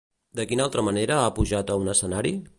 De quina altra manera ha pujat a un escenari?